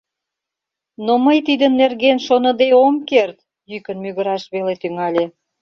— Но мый тидын нерген шоныде ом керт, — йӱкын мӱгыраш веле тӱҥале.